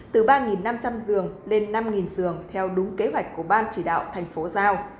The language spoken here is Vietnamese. từ ba năm trăm linh giường lên năm giường theo đúng kế hoạch của ban chỉ đạo tp hcm